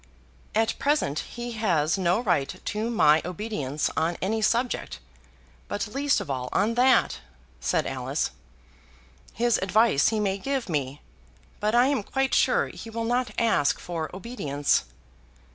"At present he has no right to my obedience on any subject, but least of all on that," said Alice. "His advice he may give me, but I am quite sure he will not ask for obedience."